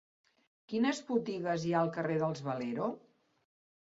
Quines botigues hi ha al carrer dels Valero?